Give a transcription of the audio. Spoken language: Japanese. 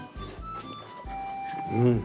うん！